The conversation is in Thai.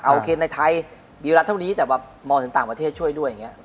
เอาโอเคในไทยมีเวลาเท่านี้แต่มองถึงต่างประเทศช่วยด้วย